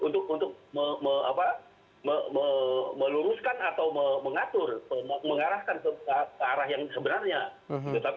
untuk meluruskan atau mengatur mengarahkan ke arah yang sebenarnya